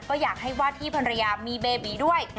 ก็อยากให้ว่าที่ภรรยามีเบบีด้วย